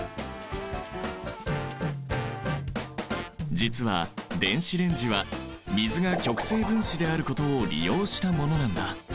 実は電子レンジは水が極性分子であることを利用したものなんだ。